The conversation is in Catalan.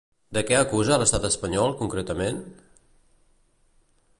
De què acusa l'estat espanyol concretament?